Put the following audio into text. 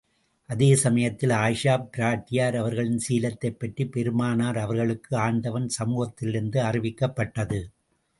அதே சமயத்தில், ஆயிஷாப் பிராட்டியார் அவர்களின் சீலத்தைப் பற்றி பெருமானார் அவர்களுக்கு ஆண்டவன் சமூகத்திலிருந்து அறிவிக்கப்பட்டது.